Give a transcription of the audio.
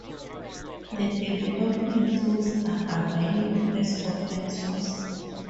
The development tools are available as open source.